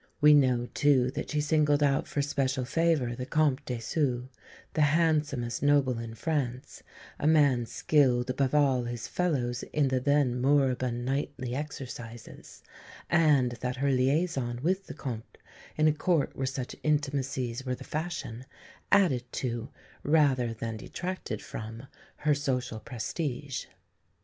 We know, too, that she singled out for special favour, the Comte de Sault, the handsomest noble in France, a man skilled above all his fellows in the then moribund knightly exercises; and that her liaison with the Comte, in a court where such intimacies were the fashion, added to, rather than detracted from, her social prestige.